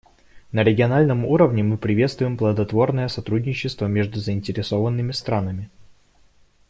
На региональном уровне мы приветствуем плодотворное сотрудничество между заинтересованными странами.